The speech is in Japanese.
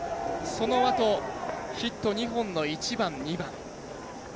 そのあとヒット２本の１番、２番。